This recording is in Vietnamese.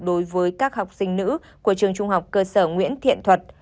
đối với các học sinh nữ của trường trung học cơ sở nguyễn thiện thuật